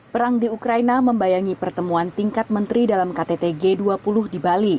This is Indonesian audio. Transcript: perang di ukraina membayangi pertemuan tingkat menteri dalam ktt g dua puluh di bali